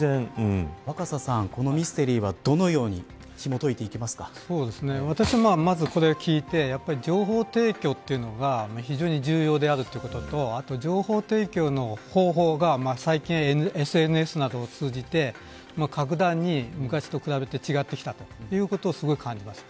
若狭さん、このミステリーはどのように私は、まずこれを聞いて情報提供というのが非常に重要であるということと情報提供の方法がＳＮＳなどを通じて格段に昔と比べて違ってきたということをすごく感じます。